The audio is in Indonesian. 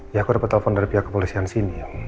ya aku dapet telpon dari pihak kepolisian sini